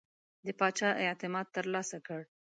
د پاچا اعتماد ترلاسه کړ.